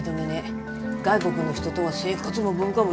外国の人とは生活も文化も違う。